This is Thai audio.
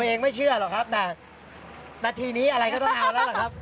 เองไม่เชื่อหรอกครับแต่นาทีนี้อะไรก็ต้องเอาแล้วล่ะครับ